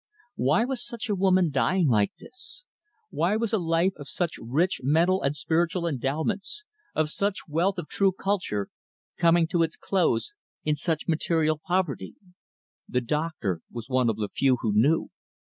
Why was such a woman dying like this? Why was a life of such rich mental and spiritual endowments of such wealth of true culture coming to its close in such material poverty? The doctor was one of the few who knew.